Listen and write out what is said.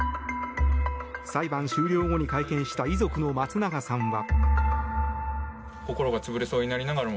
裁判終了後に会見した遺族の松永さんは。